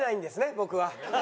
僕は」。